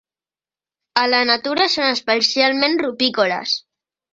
A la natura són especialment rupícoles.